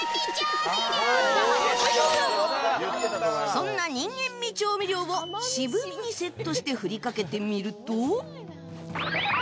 そんな人間味調味料を「しぶみ」にセットして振りかけてみると。